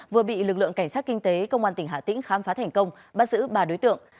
vừa bị lực lượng cảnh sát kinh tế công an tỉnh hà tĩnh khám phá thành công bắt giữ ba đối tượng